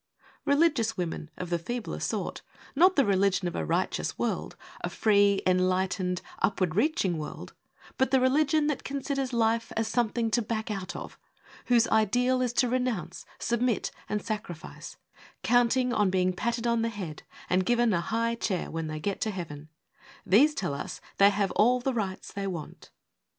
Religious women of the feebler sort Not the religion of a righteous world, A free, enlightened, upward reaching world, But the religion that considers life As something to back out of! whose ideal Is to renounce, submit, and sacrifice, Counting on being patted on the head And given a high chair when they get to heaven These tell us they have all the rights they want.